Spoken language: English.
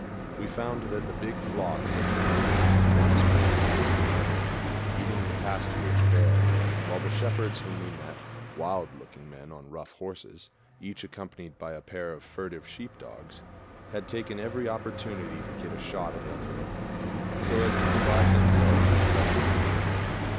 We found that the big flocks had been moving from one spring pool to another, eating the pasturage bare, while the shepherds whom we met wild looking men on rough horses, each accompanied by a pair of furtive sheep dogs had taken every opportunity to get a shot at antelope, so as to provide themselves with fresh meat.